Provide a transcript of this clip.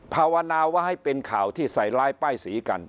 ภาวนาว่าให้เป็นข่าวที่ใส่ร้ายป้ายสีกัน